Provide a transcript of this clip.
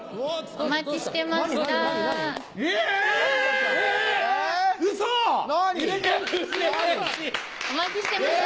お待ちしてました。